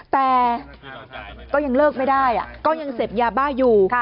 แต่ก็ยังเลิกไม่ได้ก็ยังเสพยาบ้าอยู่